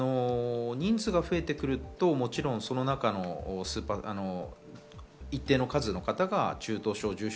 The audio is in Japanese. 人数が増えてくると、もちろん一定の数の方が中等症・